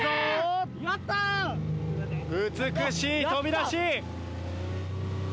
美しい飛び出し。